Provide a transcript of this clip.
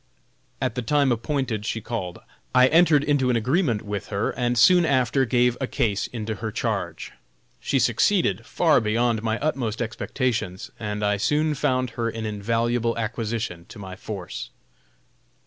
At the time appointed she called. I entered into an agreement with her, and soon after gave a case into her charge. She succeeded far beyond my utmost expectations, and I soon found her an invaluable acquisition to my force.